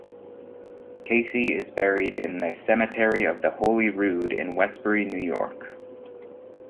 Casey is buried in the Cemetery of the Holy Rood in Westbury, New York.